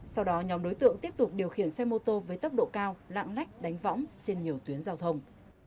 sau đó nhóm đối tượng tiếp tục điều khiển xe mô tô với tốc độ cao lạng lách đánh võng trên nhiều tuyến giao thông